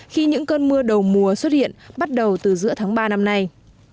khi những cơn mưa đầu mùa xuất hiện bắt đầu từ giữa tháng ba năm nay